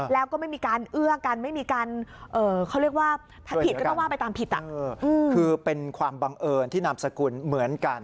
แล้วก็ไม่มีการเอื่อกันเป็นความบังเอิญที่นำสกุลเหมือนกัน